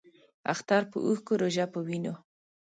اختر پۀ اوښکو ، روژۀ پۀ وینو